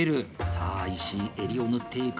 さあ石井、襟を縫っていく。